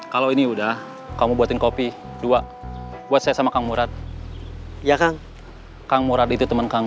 kalau ini udah kamu buatin kopi dua buat saya sama kang murad ya kang murad itu teman kamu